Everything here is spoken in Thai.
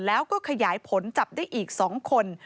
แล้วก็ขยายผลจับได้อีก๒คน